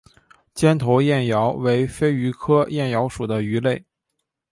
尖头燕鳐为飞鱼科燕鳐属的鱼类。